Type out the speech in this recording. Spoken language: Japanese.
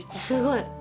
すごい。